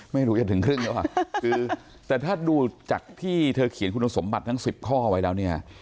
ไม่รู้อย่าถึงครึ่งได้โหว่าแต่ถ้าดูจากที่เธอเขียนคุณสมบัติทั้ง๑๐ข้อไว้แล้ว